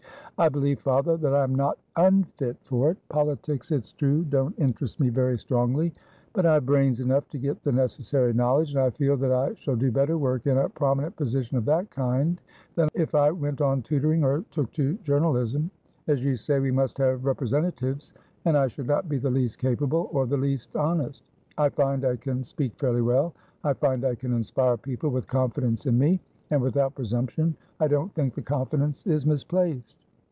"I believe, father, that I am not unfit for it. Politics, it's true, don't interest me very strongly, but I have brains enough to get the necessary knowledge, and I feel that I shall do better work in a prominent position of that kind than if I went on tutoring or took to journalism. As you say, we must have representatives, and I should not be the least capable, or the least honest. I find I can speak fairly well; I find I can inspire people with confidence in me. And, without presumption, I don't think the confidence is misplaced."